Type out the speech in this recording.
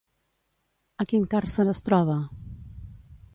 A quin càrcer es troba?